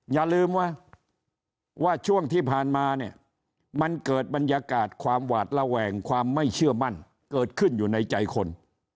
อย่าลืมว่าช่วงที่ผ่านมาเนี่ยมันเกิดบรรยากาศความหวาดระแวงความไม่เชื่อมั่นเกิดขึ้นอยู่ในใจคน